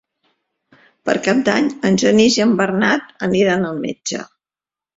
Per Cap d'Any en Genís i en Bernat aniran al metge.